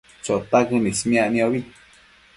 Chotaquën ismiac niombi